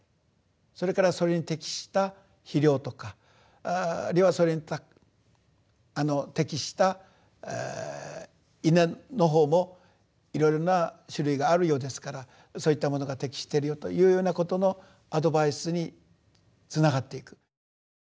それからそれに適した肥料とかあるいはそれに適した稲の方もいろいろな種類があるようですからそういったものが適してるよというようなことのアドバイスにつながっていく。